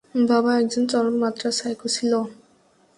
বাবা একজন চরম মাত্রার সাইকো ছিলো।